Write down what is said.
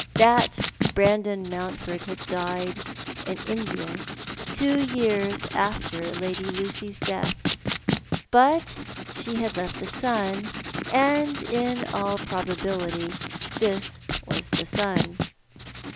Tliat Brandon Mountford had died in India, two years after Lady Lucy's death ; but he had left a son, and in all probability this was the son.